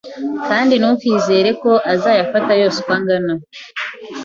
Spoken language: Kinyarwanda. kandi ntukizere ko azayafata yose uko angana